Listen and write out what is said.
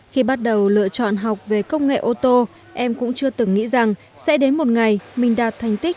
khi bắt đầu lựa chọn học về công nghệ ô tô em cũng chưa từng nghĩ rằng sẽ đến một ngày mình đạt thành tích